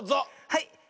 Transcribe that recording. はい。